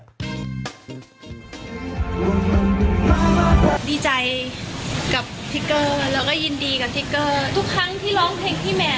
ดิใจกับเกอร์แล้วก็ยินดีกับเกอร์